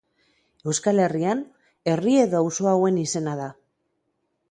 Euskal Herrian, herri edo auzo hauen izena da.